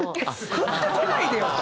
振ってこないでよと。